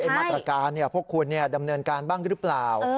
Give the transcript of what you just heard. มาตรการพวกคุณดำเนินการบ้างหรือเปล่า